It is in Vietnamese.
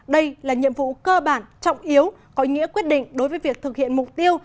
đây là nhiệm vụ cơ bản trọng yếu có nghĩa quyết định đối với việc thực hiện mục tiêu